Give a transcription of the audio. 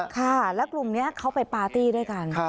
ค่ะแล้วกลุ่มนี้เขาไปปาร์ตี้ด้วยกัน